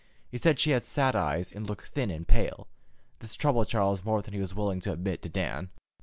He said she had sad eyes, and looked thin and pale. This troubled Charles more than he was willing to admit to Dan.